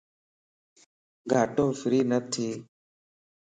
گاٽو فري نه ٿي